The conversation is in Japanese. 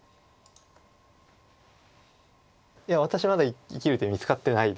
いや私まだ生きる手見つかってないです。